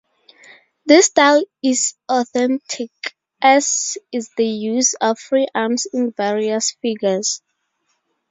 This style is authentic, as is the use of free arms in various figures.